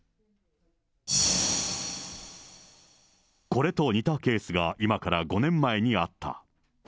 これと似たケースが今から５年前にあった。